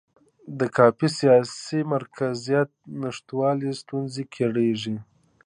د کافي سیاسي مرکزیت نشتوالي ستونزې کړېږي.